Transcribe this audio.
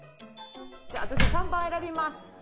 じゃあ私は３番を選びます。